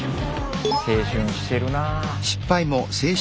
青春してるなあ。